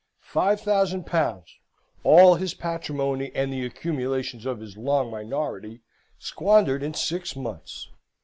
Five thousand pounds, all his patrimony and the accumulations of his long minority squandered in six months!